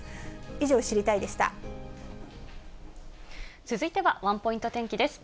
以上、続いてはワンポイント天気です。